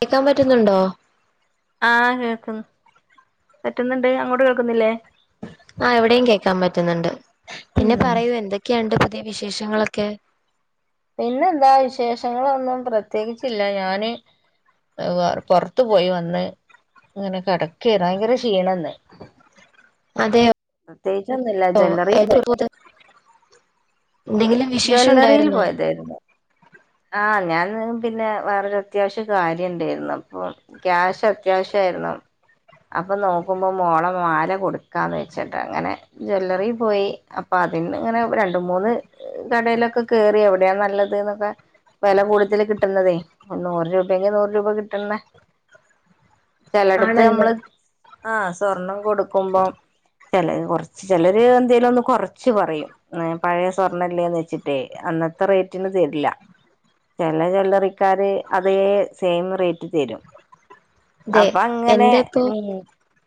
കേക്കാൻ പറ്റുന്നുണ്ടോ ആഹ് കേൾക്കുന്നു പറ്റുന്നുണ്ട് അങ്ങോട്ട് കേൾക്കുന്നില്ലേ ആ ഇവിടെയും കേൾക്കാൻ പറ്റുന്നുണ്ട് ഉം പിന്നെ പറയൂ എന്തൊക്കെയുണ്ട് പുതിയ വിശേഷങ്ങളൊക്കെ? പിന്നെന്താ വിശേഷങ്ങളൊന്നും പ്രത്യേകിച്ചില്ല ഞാന് പുറത്തു പോയി വന്ന് ങ്ങനെ കിടക്കയാ ഭയങ്കര ക്ഷീണന്ന് അതെയോ പ്രത്യേകിച്ചൊന്നുല്ല ജ്വല്ലറി പോയി [unintelligible] എന്തെങ്കിലും വിശേഷം ജ്വല്ലറിയിൽ ണ്ടായിരുന്നോ? ആഹ് ഞാൻ പിന്നെ വേറൊരു അത്യാവശ്യ കാര്യം ണ്ടായിരുന്നു അപ്പൊ ക്യാഷത്യാവശ്യം ആരുന്നു അപ്പൊ നോക്കുമ്പോൾ മോള മാല കൊടുക്കാന്ന് വെച്ചിട്ട് അങ്ങനെ ജ്വല്ലറി പോയി അപ്പൊ അതിന് ഇങ്ങനെ രണ്ട് മൂന്ന് കടയിലൊക്കെ കേറി എവിടെയാണ് നല്ലത് ന്നൊക്കെ വില കൂടുതൽ കിട്ടുന്നതേ നൂറ് രൂപെങ്കിൽ നൂറ് രൂപ കിട്ടുന്ന [inaudible] ചിലടത്ത് ആണല്ലേ നമ്മള് ആഹ് സ്വർണം കൊടുക്കുമ്പം ചില കുറച്ച് ചിലര് എന്തേലും ഒന്ന് കൊറച്ച് പറയും പഴയ സ്വർണ്ണല്ലേന്ന് വെച്ചിട്ടേ അന്നത്തെ റേറ്റിന് തരില്ല ചില ജ്വല്ലറിക്കാര് അതേ സെയിം റേറ്റ് തരും അപ്പങ്ങനെ ഉം-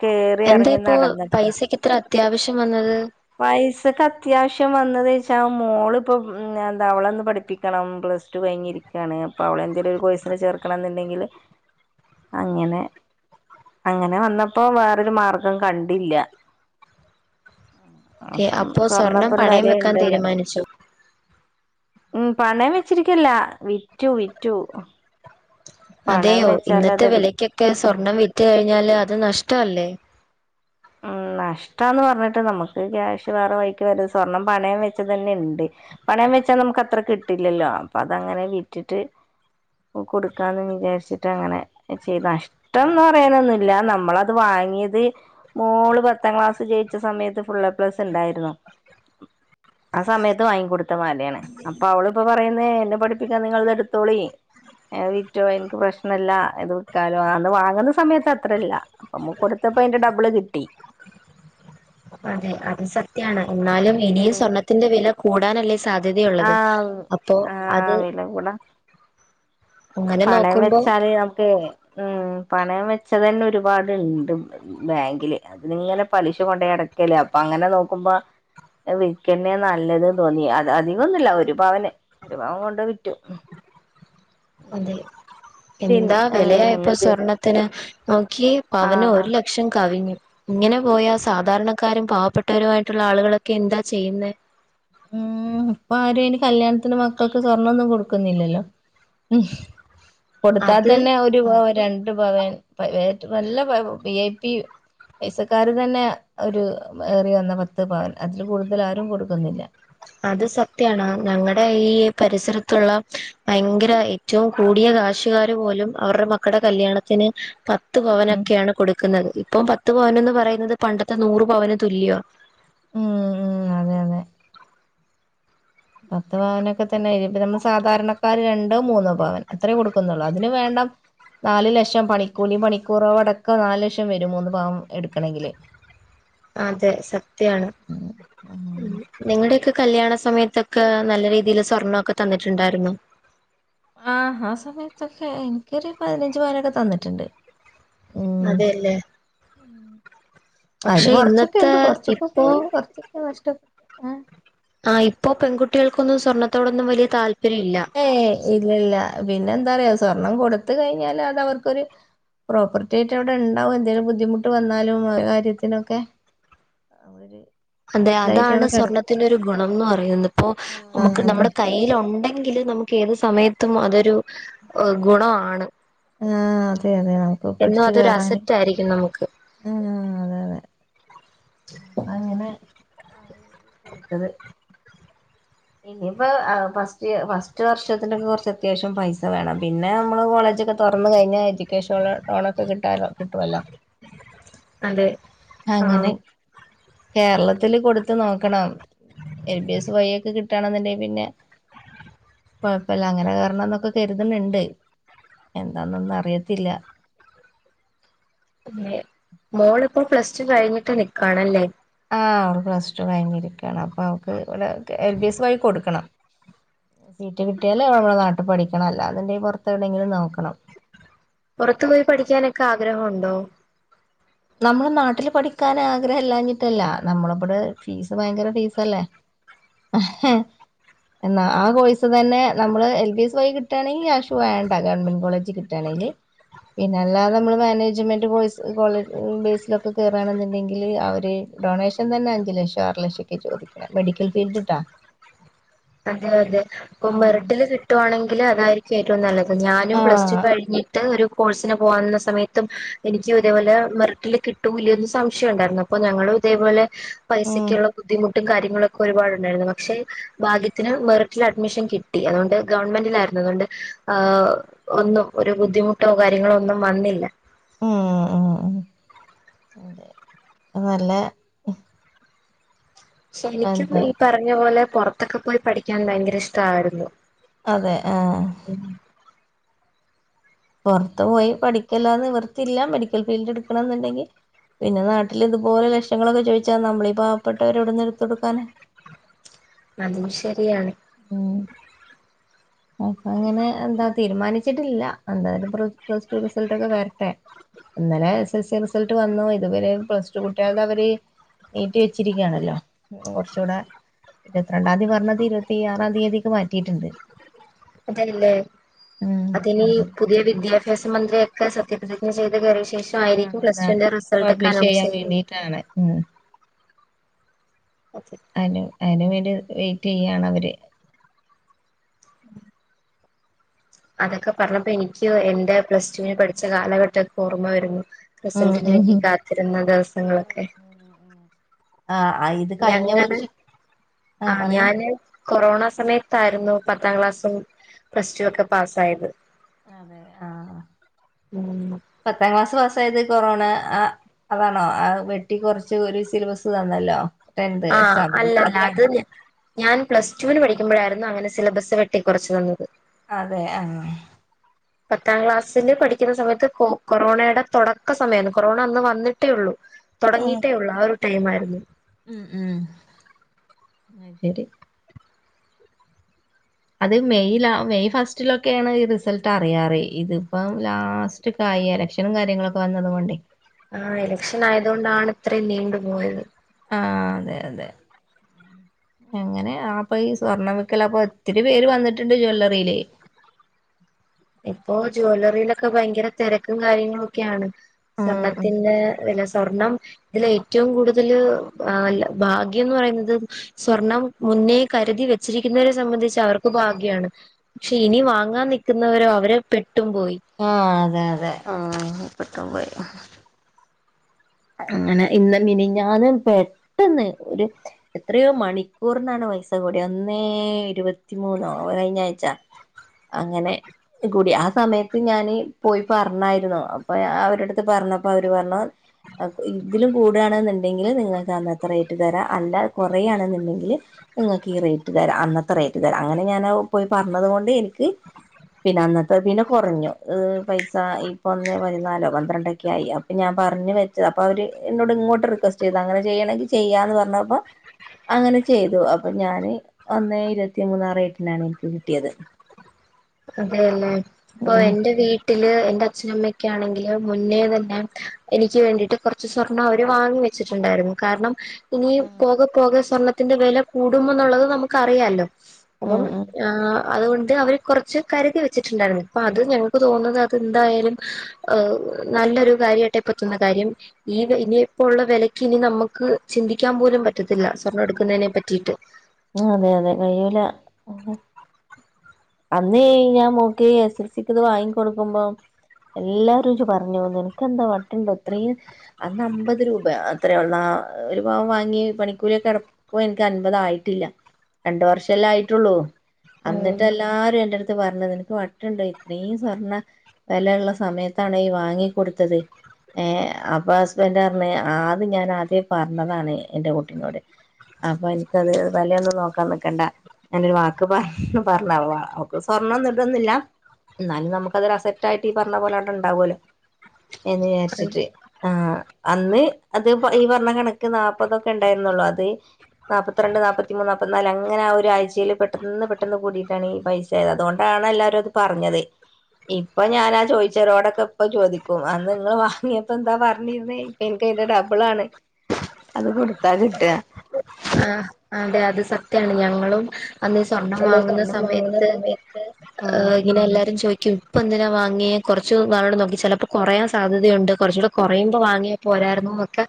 കേറി എറങ്ങി എന്തേപ്പോ നടന്നപ്പ പൈസക്ക് ഇത്ര അത്യാവശ്യം വന്നത്? പൈസക്കെത്യാവശ്യം വന്നത് വെച്ചാൽ മോള് പ്പം അത് അവളന്ന പഠിപ്പിക്കണം പ്ലസ് ടു കഴിഞ്ഞിരീക്കയാണ് അപ്പോൾ അവള എന്തേലും ഒരു കോഴ്സിന് ചേർക്കണന്നുണ്ടെങ്കിൽ [inaudible] അങ്ങനെ അങ്ങനെ വന്നപ്പോ വേറൊരു മാർഗം കണ്ടില്ല ഏ, അപ്പം അപ്പോ സ്വർണം സ്വർണ്ണപ്പന് പണയം വെക്കാൻ വെലേണ്ടല്ലേ തീരുമാനിച്ചു ഉം പണയം വെച്ചിരിക്കല്ല വിറ്റു വിറ്റു പണയം അതെയോ വെച്ചാല് ഇന്നത്തെ അതെടു വിലക്കൊക്കെ ഉം സ്വർണം വിറ്റ് കഴിഞ്ഞാല് അത് നഷ്ടം അല്ലേ ഉ നഷ്ടന്ന് പറഞ്ഞിട്ട് നമുക്ക് ക്യാഷ് വേറെ വഴിക്ക് വര സ്വർണം പണയം വെച്ച തന്നെ ഉണ്ട് പണയം വെച്ചാ നമുക്ക് അത്ര കിട്ടില്ലല്ലോ അപ്പൊ അതങ്ങനെ വിറ്റിട്ട് കൊടുക്കാന്ന് വിചാരിച്ചിട്ട് അങ്ങനെ ചെയ്ത നഷ്ടം ടേന്ന് പറയാനൊന്നുമില്ല നമ്മളത് വാങ്ങിയത് മോള് പത്താം ക്ലാസ് ജയിച്ച സമയത്ത് ഫുള്ള് ഏ പ്ലസ് ഉണ്ടായിരുന്നു ആ സമയത്ത് വാങ്ങിക്കൊടുത്ത മാലയാണ് അപ്പൊ അവളിപ്പൊ പറയുന്നേ എന്നെ പഠിപ്പിക്കാൻ നിങ്ങളത് എടുത്തോളി വിറ്റോ എനിക്ക് പ്രശ്നല്ല ഇത് വിൽക്കാലോ അന്ന് വാങ്ങുന്ന സമയത്ത് അത്രല്ല പ്പോ കൊടുത്തപ്പ അതിന്റെ ഡബിള് കിട്ടി അതെ അത് സത്യാണ് എന്നാലും ഇനിയും ഉം സ്വർണ്ണത്തിന്റെ വില കൂടാനല്ലേ സാധ്യതയുള്ളത് ആഹ് അപ്പോ അത് ആഹ് വില കൂടാ അങ്ങനെ പണയം നോക്കുമ്പോ വെച്ചാല് നമുക്ക് ഉം പണയം വെച്ചാ തന്നെ ഒരുപാട്ണ്ട് ബാങ്കില് അതി ഇങ്ങനെ പലിശ കൊണ്ടോയടക്കല്ലേ അപ്പൊ അങ്ങനെ നോക്കുമ്പോ വിൽക്കന്നെ നല്ലത്ന്ന് തോന്നി അത് അധികൊന്നുമില്ല ഒരു പവന് ഒരു പവൻ കൊണ്ട് വിറ്റു അതെ ഇനി പിന്നെ എന്താ ഉം വിലയാ ഇപ്പോ പിന്നെത് സ്വർണത്തിന് നോക്കിയേ പവന് ആഹ് ഒരു ലക്ഷം കവിഞ്ഞു ഇങ്ങനെ പോയാ സാധാരണക്കാരും പാവപ്പെട്ട ട്ടവരായിട്ടുള്ള ആളുകളൊക്കെ എന്താ ചെയ്യുന്നത് ഉം ഇപ്പൊ ആരും അയ്ന് കല്യാണത്തിന് മക്കൾക്ക് സ്വർണ്ണൊന്നും കൊടുക്കുന്നില്ലല്ലോ ഉം കൊടുത്താൽ അത് തന്നെ ഒരു ഒരു പവൻ രണ്ട് പവൻ നല്ല വി ഐ പി പൈസക്കാര് തന്നെ ഒരു ഏറി വന്ന പത്ത് പവൻ അതിൽ കൂടുതൽ ആരും കൊടുക്കുന്നില്ല അത് സത്യാണ് ഞങ്ങളുടെ ഈ പരിസരത്തുള്ള ഭയങ്കര ഏറ്റവും കൂടിയ കാശുകാർ പോലും അവരുടെ മക്കൾടെ കല്യാണത്തിന് പത്ത് ഭവനൊ ഉം ഒക്കെയാണ് കൊടുക്കുന്നത് ഇപ്പൊ പത്ത് പവനന്ന് പറയുന്നത് പണ്ടത്തെ നൂറ് പവന് തുല്യമാണ് ഉം ഉം അതെ അതെ പത്ത് പവനൊക്കെ തന്നെ ഇപ്പ നമ്മൾ സാധാരണക്കാർ രണ്ടോ മൂന്നോ പാവൻ അത്രയേ കൊടുക്കുന്നുള്ളൂ അതിന് വേണ്ട നാല് ലക്ഷം പണിക്കൂലി പണിക്കൂറോ അടക്കം നാല് ലക്ഷം വരും മൂന്ന് പവൻ എടുക്കണമെങ്കില് അതെ സത്യയാണ് ഉം ഉം നിങ്ങളുടെയൊക്കെ കല്യാണ സമയത്തൊക്കെ നല്ല രീതിൽ സ്വർണൊക്കെ തന്നിട്ടുണ്ടായിരുന്നു ആഹ് ആ സമയത്തൊക്കെ എനിക്കൊരു പതിനഞ്ച് പവനൊക്കെ തന്നിട്ടുണ്ട് ഉം അതെല്ലേ അതില് പക്ഷെ കൊറച്ചൊക്കെ ഇന്നത്തെ ഉണ്ട് കൊറച്ചൊക്കെ ഇപ്പോ പോയി കൊറച്ച അ കഷ്ടപ്പെട്ട ആ ആഹ് ഇപ്പോ പെൺകുട്ടികൾക്കൊന്നും സ്വർണത്തോടൊന്നും വലിയ താല്പര്യം ഇില്ല ഏ ഇല്ലല്ല പിന്നെ എന്താ പറയാ സ്വർണം കൊടുത്ത കഴിഞ്ഞാല് അത് അവർക്കൊരു പ്രോപ്പർട്ടി ആയിട്ട് അവിടെ ഉണ്ടാവും എന്തേങ്കിലും ബുദ്ധിമുട്ട് വന്നാലും ആ കാര്യത്തിനൊക്കെ അവര് അതെ ഇതായിട്ട് അതാണ് അവിടെ കിടക്കും സ്വർണത്തിന്റെ ഒരു ഗുണംന്ന് പറയുന്നത് ഇപ്പോ ആ നമുക്ക് അതെ നമ്മുടെ കൈ കയ്യില് ഉണ്ടെങ്കിൽ നമുക്ക് ഏത് സമയത്തും അതൊരു ഗുണം ആണ് ആഹ് അതെ അതെ നമുക്ക് പിടച്ച് അതൊരു കേയറാന് അസറ്റ് ആയിരിക്കും നമുക്ക് ആ അതെ അതെ അങ്ങനെ കൊടുത്തത് ഇനിയിപ്പോ ഫസ്റ്റ് ഫസ്റ്റ് വർഷത്തിനൊക്കെ കുറച്ച് അത്യാവശ്യം പൈസ വേണം പിന്നെ നമ്മള് കോളേജ് ഒക്കെ തുറന്നു കഴിഞ്ഞാൽ എഡ്യക്കേഷനുള്ള ലോണൊക്കെ കിട്ടാലോ വല്ലോ അതെ അങ്ങനെ ആഹ് കേരളത്തില് കൊടുത്ത് നോക്കണം എൽ ബി എസ് വഴി ഒക്കെ കിട്ടണ് ന്നുണ്ടെങ്കിൽ പിന്നെ കുഴപ്പല്ല അങ്ങനെ കേറണം ന്നൊക്കെ കരുതുന്നുണ്ട് എന്താന്നൊന്നും അറിയത്തില്ല മോള് ഇപ്പോ പ്ലസ് ടു കഴിഞ്ഞിട്ട് നിക്കാണല്ലേ ആ് അവള് പ്ലസ് ടു കഴിഞ്ഞി ഇരിക്കയാണ് അപ്പൊ അവക്ക് എൽ ബി എസ് വഴി കൊടുക്കണം സീറ്റ് കിട്ടിയാൽ നമ്മുടെ നാട്ടിൽ പഠിക്കണം അല്ല ന്ന്ണ്ടെ പുറത്ത് എവിടെയെങ്കിലും നോക്കണം പുറത്തു പോയി പഠിക്കാനൊക്കെ ആഗ്രഹം ഉണ്ടോ നമ്മള് നാട്ടില് പഠിക്കാൻ ആഗ്രഹം ഇല്ലാഞ്ഞിട്ടല്ല നമ്മള ഇവിടെ ഫീസ് ഭയങ്കര ഫീസല്ലേ [inaudible] എന്നാ ആ കോഴസ് തന്ന നമ്മള് L B P S Y കിട്ടാണെങ്കിൽ ക്യാഷ് വേണ്ട ഗവൺമെന്റ് കോളേജ് കിട്ടും ട്ടാണെങ്കിൽ പിന്നെ അല്ലാതെ നമ്മള് മാനേജ്മെന്റ് കോഴസ് ബേസിലൊക്കെ കയറാണെന്നുണ്ടെങ്കിൽ അവർ ഡൊണേഷൻ തന്നെ അഞ്ച് ലക്ഷം ആറ് ലക്ഷം ഒക്കെ ചോദിക്കും മെഡിക്കൽ ഫീൽഡ് ഇട്ടാ അതെ അതെ അപ്പൊ ഉം മെറിട്ടില് കിട്ടുവാണെങ്കിൽ അതായിരിക്കും ഏറ്റവും നല്ലത് ഞാനും പ്ലസ് ടു ആഹ് കഴിഞ്ഞ് ഒരു കോഴ്സിന് പോകുന്ന സമയത്തും എനിക്ക് ഉം ഇതേപോലെ മെറിട്ടില് കി കിട്ടൂ ഇല്ല്യന്ന് സംശയ ഉണ്ടായിരുന്നു അപ്പോ ഞങ്ങള് ഇതേ പോലെ പൈസക്കുള്ള ബുദ്ധിമുട്ട് ട്ടും കാര്യങ്ങളും ഒക്കെ ഒരുപാടുണ്ടായിരുന്നു പക്ഷെ ഭാഗ്യത്തിന് മെറിറ്റിൽ അഡ്മിഷൻ കിട്ടി അതുകൊണ്ട് ഗവൺമെന്റിലായിരുന്നു അതുകൊണ്ട് ഒന്നും ഒരു ബുദ്ധിമുട്ടോ കാര്യങ്ങളോ ഒന്നും വന്നില്ല ഉം ഉം ഉം അതെ നല്ല ശേ എനിക്കും എന്താ ഈ പറഞ്ഞ പോലെ പൊറത്തൊക്കെ പോയി പഠിക്കാൻ ഭയങ്കര ഇഷ്ടമായിരുന്നു അതെ ആ ഉം പൊർത്ത് പോയി പഠിക്കല്ലാതെ നിവർത്തില്ല, മെഡിക്കൽ ഫീൽഡ്ടുക്കണോന്ന് ണ്ടെങ്കി പിന്നെ നാട്ടില് ഇതുപോലെ ലക്ഷങ്ങളൊക്കെ ചോയ്ച്ചാ നമ്മളീ പാവപ്പെട്ടവരെവിടുന്ന് എടുത്ത് കൊടുക്കാനാ അതും ശരിയാണ് ഉം അപ്പങ്ങനെ എന്താ തീരുമാനിച്ചിട്ടില്ല. എന്തായാലും പ്ലസ് റ്റു റിസൾട്ടൊക്കെ വരട്ടെ ഇന്നലെ എസ് എൽ സി റിസൾട്ട് വന്നു. ഇതുവരെ പ്ലസ് ടു കുട്ട്യാൾതവര് നീട്ടി വെച്ചിരിക്കുകയാണല്ലോ ഉം കൊർച്ചൂടെ ഇരുപത്രണ്ടാം തീയതി പറഞ്ഞത് ഇരുത്തിആറാം തീയതിക്ക് മാറ്റിട്ട്ണ്ട് അതെല്ലേ.. ഉം അതിനി അതുപോലെ പുതിയ വിദ്യാഭ്യാസ മന്ത്രിയൊക്കെ സത്യപ്രതിജ്ഞ ചെയ്ത് കേറിയ ശ് ശേഷം ആഹ് ആയിരിക്കും പ്ലസ് അതാണ് ടുവിന്റെ റിസൾട്ടൊക്കെ പബ്ലിഷ് ചെയ്യാൻ അനൗൺസെയ്യുന്നെ വേണ്ടിട്ടാണ് ഉം ഓക്കെ അനു അയ്ന് വേണ്ടി വെയ്റ്റെയ്യാണവര് അതൊക്കെ പർഞ്ഞപ്പോ എനിക്കു എന്റെ പ്ലസ് ടുവിന് പഠിച്ച കാലഘട്ടൊക്കെ ഓർമ്മ വരുന്നു ഉം റിസൾട്ടിന് വേണ്ടി ഉം കാത്തിരുന്ന ദിവസങ്ങളൊക്കെ ആഹ് ഇത് കഴിഞ്ഞ ഞങ്ങള് വർഷം ആഹ് ഞാന് കൊറോണ സമയത്താരുന്നു പത്താം ക്ലാസ്സും പ്ലസ് ടു ഒക്കെ പാസ്സായത് അതെ ആഹ് ഉം പത്താം ക്ലാസ് പാസായത് കൊറോണ ആഹ് അതാണോ ആ വെട്ടി കൊർച്ച് ഒരു സിലബസ് തന്നല്ലോ ടെൻത് ആഹ് എക്സാം അല്ല അതിലാണ് അത് ന് ഞാൻ പ്ലസ് ടുവിന് പഠിക്ക്മ്പഴായിരുന്നു അങ്ങനെ സിലബസ് വെട്ടിക്കുറച്ച് വന്നത് അതെ ആഹ് പത്താം ക്ലാസ്സില് പഠിക്കുന്ന സമയത്ത് കൊ കൊറോണയുടെ തൊടക്ക സമയാന്ന്. കൊറോണ അന്ന് വന്നിട്ടേ ഉള്ളു ആഹ് തൊടങ്ങിയിട്ടേ ഉള്ളു. ആ ഒരു ടൈമായിരുന്നു ഉം ഉം അഹ് ശരി അത് മെയ്ലാ മെയ് ഫസ്റ്റിലൊക്കെയാണ് ഈ റിസൾട്ട് അറിയാറ്, ഇത്പ്പം ലാസ് റ്റ് ക്കായി. എലക്ഷനും കാര്യങ്ങളൊക്കെ വന്നതുകൊണ്ടെയ് ആഹ് എലക്ഷനായതു കൊണ്ടാണ് ഇത്രയും നീണ്ടുപോയത് ആഹ് അതെയതെ എങ്ങനെ ആപ്പൊ ഈ സ്വർണ്ണം വി ക്കല്. അപ്പൊത്തിരി പേര് വന്നിട്ടുണ്ട് ജ്വല്ലറിയില് ഇപ്പോ ജ്വല്ലറിയിലൊക്കെ ഭയങ്കര തെരക്കും കാര്യങ്ങളുക്കെയാണ് ഉം ഉം സ്വർണത്തിന്റെ വെല സ് സ്വർണം ഇതിലേറ്റവും കൂടുതല് ആല്ല ഭാഗ്യംന്ന് പറയുന്നത് സ്വർണം മുന്നേ കരുതി വെച്ചിരിക്കുന്നവരെ സംബന്ധിച്ച് അവർക്ക് ഭാഗ്യാണ് ക്ഷെ ഇനി വാങ്ങാൻ നിക്കുന്നവരോ അവര് പെട്ടും പോയി ആഹ് അതെ അതെ ആഹ് പെട്ടും പോയി അങ്ങനെ ഇന്ന് മിനിഞ്ഞാനും പെട്ടെന്ന് ഒരു എത്രയോ മണിക്കൂറിനാണ് പൈസ കൂടിയേ, ഒന്നേ ഇരുപത്തിമൂന്നോ കഴിഞ്ഞ ആഴ്ച അങ്ങനെ കൂടി, ആ സമയത്ത് ഞാന് പോയി പർഞ്ഞായിരുന്നു, അപ്പൊ അവരടുത്ത് പറഞ്ഞപ്പോ അവര് പറഞ്ഞു ഇതിലും കൂടാണ്ന്ന്ണ്ടെങ്കില് നിങ്ങൾക്ക് അന്നത്ര റേറ്റ് തരാ. അല്ല കൊറയാണ്ന്ന്ണ്ടെങ്കില് നിങ്ങക്ക് ഈ റേറ്റുതരാം, അന്നത്തെ റേറ്റുതരാം അങ്ങനെ ഞാൻ ഔ പോയി പർഞ്ഞത് കൊണ്ട് എനിക്ക് പിന്നന്നത്തെ പിന്നെ കൊറഞ്ഞു. പൈസ ഇപ്പൊ ഒന്നെ പതിനാലോ പന്ത്രണ്ടൊക്കെ ആയി അപ് ഞാൻ പർഞ്ഞു വെച്ച, അപ്പൊ അവര് എന്നോട് ഇങ്ങോട്ട് റിക്വസ്റ്റ് ചെയ്ത്, അങ്ങനെ ചെയ്യണെങ്കി ചെയ്യാന്ന് പർഞ്ഞപ്പൊ അങ്ങനെ ചെയ്തു, അപ്പൊ ഞാന് ഒന്നെ ഇരുപത്തി മൂന്നാ റേറ്റിനാണ് ഇൻക്ക് കിട്ടിയത് അതെയല്ലേ പ്പൊ ഉം എന്റെ വീട് ട്ടില് എന്റെ അച്ഛനമ്മക്കെ ആണെങ്കില് മുന്നേ തന്നെ എനിക്ക് വേണ്ടിട്ട് കൊർച്ച് സ്വർണ്ണം അവര് വാങ്ങി വെ ച്ചിട്ടുണ്ടായിരുന്നു കാരണം ഇനിയും പോകെ പോകെ സ്വർണ്ണത്തിന്റെ വെല കൂടും എന്നുള്ളത് നമുക്കറിയാലൊ അപ്പം ഉം ഉം അതുകൊണ്ട് അവര് കുറച്ച് കരുതി വെച്ചിട്ടുണ്ടായിരുന്നു ഇപ്പൊ അത് ഞങ്ങക്ക് തോന്നുന്നത് അത് എന്തായാലും ഹ് നല്ലൊരു കാര്യട്ട ഇപ്പൊ തോന്നുന്ന കാര്യം ഈ ഇത് ഇനിയിപ്പോ ഉള്ള വിലയ്ക്ക് ഇനി നമുക്ക് ചിന്തിക്കാൻ പോലും പറ്റത്തില്ല സ്വർണം എടുക്കുന്നതിനെ പറ്റിയിട്ട് അതെ അതെ കഴിയൂല അന്നേ ഞാൻ മോ ഇത് എസ് എസ് എൽസി ക്ക് ഇത് വാങ്ങി കൊടുക്കുമ്പോ എല്ലാരും ഇത് പറഞ്ഞു നിനക്ക്ന്താ വട്ടുണ്ടോ ഇത്രയും അന്ന് അമ്പത് രൂപ അത്രയുള്ള ആഹ് ഒരു പവൻ വാങ്ങി പണിക്കൂലിക്കെ അട ഇപ്പൊ എനിക്ക് അൻപത് ആയിട്ടില്ല രണ്ട് വർഷംല്ലേയായിട്ടുള്ളൂ അന്ന് എല്ലാരും എന്റെ അടുത്ത് പറഞ്ഞത് എനിക്ക് വട്ടുണ്ടോ ഇത്രയും സ്വർണ്ണ വിലയള്ള സമയത്തണ ഈ വാങ്ങിക്കൊടുത്തത് ഏഹ് അപ്പൊ ഹസ്ബൻഡ് പറഞ്ഞ ആദ്യം ഞാൻ ആദ്യം പറഞ്ഞതാണ് എന്റെ കുട്ടിനോട് അപ്പൊ എനിക്കത് വിലയോന്നും നോക്കാൻ നിക്കണ്ട ഞൻ ഒരു വാക്ക് പറ പറഞ്ഞ അവക്ക് സ്വർണ്ണംന്നും ഇടന്നില്ല എന്നാലും നമുക്ക് അതിൽ അസെറ്റ് ആയിട്ട് ഈ പറഞ്ഞ പോലെട്ട ഉണ്ടാവൂലോ എന്ന് വിചാരിച്ചിട്ട് ആഹ് അന്ന് അത് ഈ പറഞ്ഞ കണക്ക് നാല്പതൊക്കെ ഉണ്ടായിരുന്നുള്ളു അത് നാപ്പത്തിരണ്ട് നാപ്പത്തിമൂന്ന് നാപ്പത്തി നാല് അങ്ങനെ ആ ഒരാഴ്ചയിൽ പെട്ടെന്ന് പെട്ട പെട്ടെന്ന് കൂടിട്ടാണ് ഈ പൈസായത് അതുകൊണ്ടാണ് എല്ലരും അത് പറഞ്ഞത് ഇപ്പൊ ഞാനാ ചോദിച്ചരോടൊക്കെ ഇപ്പ ചോദിക്കും അന്ന് നിങ്ങള്ൾ വാങ്ങിയപ്പോ എന്താ പറഞ്ഞിരുന്നേ എനിക്ക് അതിന്റെ ഡബിളാണ് അത് കൊടുത്താ കിട്ടുക ആഹ് അതെ അത് സത്യാണ് ഞങ്ങളും അന്ന് സ്വർണം അല്ലെ വാങ്ങുന്ന സ്വർണം വാങ്ങുന്ന സമയത്ത് സമയത്ത് ആഹ് ഇങ്ങനെ എല്ലാരും ചോദിക്കും ഇപ്പൊ എന്തിനാ വാങ്ങിയ കുറച്ച് നാള് നോക്കി ചിലപ്പോ കുറയാൻ സാധ്യതുണ്ട് കുറച്ചുടെ കുറയുമ്പോ വാങ്ങിയ പോരായിരുന്നോ ഒക്കെ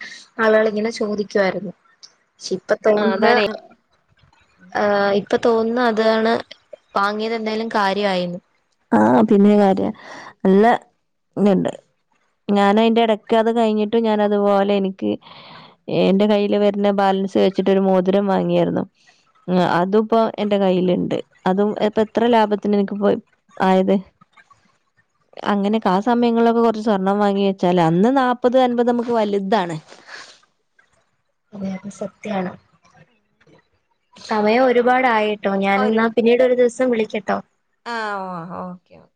ആളുകൾ ഇങ്ങനെ ചോദിക്കുയിരുന്നു പക്ഷെ ഇപ്പ ആഹ് തോന്നുന്ന അതാണേ ആഹ് ഇപ്പൊ തോന്നുന്നു അതാണ് വാങ്ങിയത് എന്തായാലും കാര്യയായിരുന്നു ആഹ് പിന്നെ കാര്യ നല്ല ഇതുണ്ട് ഞാൻ അതിന്റെ ഇടയ്ക്ക് അത് കഴിഞ്ഞിട്ടും ഞാന അതുപോലെ എനിക്ക് എന്റെ കയ്യിൽ വരുന്ന ബാലൻസ് വെച്ചിട്ട് ഒരു മോതിരം വാങ്ങിയായിരുന്നു അതും ഇപ്പോ എന്റെ കയ്യിലുണ്ട് അതും ഇപ്പ എത്ര ലാഭത്തിന് എനിക്ക് പോയി ആയത് [inaudible] അങ്ങനെയൊക്കെ ആ സമയങ്ങളിലൊക്കെ കുറച്ച് സ്വർണ്ണം വാങ്ങി വെച്ചാല് അന്ന് നാല്പത് അൻപത് നമുക്ക് വലുതാണ് അതെ സത്യാണ് സമയം ഒരുപാട് ആയിട്ടോ ഞാൻ ഒരു എന്നാ പിന്നീട് ഒരു ദിവസം വിളിക്കട്ടോ ആഹ് ഓ ഓക്കെ ഓക്കേ